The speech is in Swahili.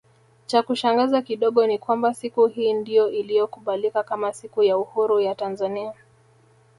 Chakushangaza kidogo ni kwamba siku hii ndio iliyokubalika kama siku ya uhuru ya Tanzania